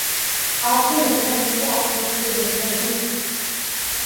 آپ کو لگتا ہے کہ آپ مجھ سے بہتر ہیں۔